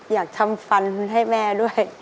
อยากทำฟันให้แม่ด้วย